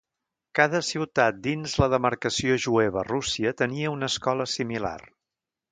Cada ciutat dins la demarcació jueva a Rússia tenia una escola similar.